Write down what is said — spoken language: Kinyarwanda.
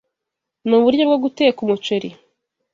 Nuburyo bwo guteka umuceri.